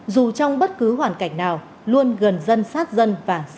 dù trong bất cứ hoàn cảnh nào luôn gần dân sát dân